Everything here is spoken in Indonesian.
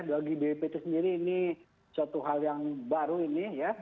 bagi bppt sendiri ini suatu hal yang baru ini ya